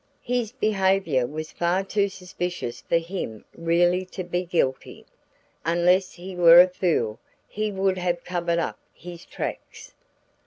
His behavior was far too suspicious for him really to be guilty; unless he were a fool he would have covered up his tracks.